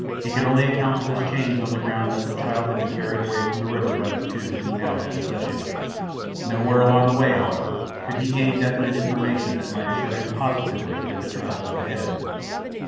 He could only account for this change on the ground that the child had been carried away from the river by the two who now had possession of it. Nowhere along the way, however, could he gain definite information that might assure him positively that the child was ahead of him.